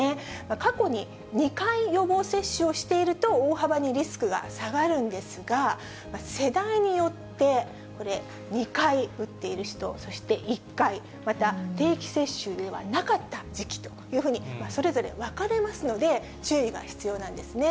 過去に２回、予防接種をしていると、大幅にリスクが下がるんですが、世代によって、これ、２回打っている人、そして１回、また、定期接種ではなかった時期というふうに、それぞれ分かれますので、注意が必要なんですね。